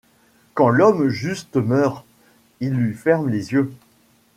Quand l’homme juste meurt, il lui ferme les yeux ;